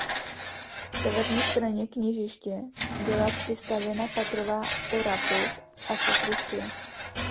K severní straně kněžiště byla přistavěna patrová oratoř a sakristie.